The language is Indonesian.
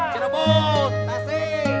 cirebon tasik tasik tasik